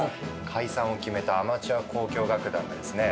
解散を決めたアマチュア交響楽団がですね